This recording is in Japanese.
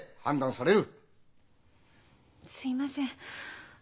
すいません。